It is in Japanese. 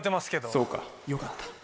「そうかよかった」。